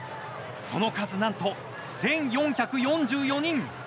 その数、なんと１４４４人。